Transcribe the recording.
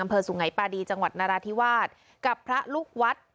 อำเภอสุงไหนปาดีจังหวัดนราธิวาสกับพระลูกวัด